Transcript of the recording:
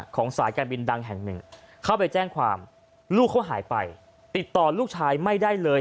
สายการบินดังแห่งหนึ่งเข้าไปแจ้งความลูกเขาหายไปติดต่อลูกชายไม่ได้เลย